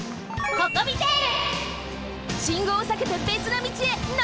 ココミテール！